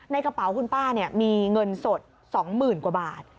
ในกระเป๋าคุณป้าเนี่ยมีเงินสดสองหมื่นกว่าบาท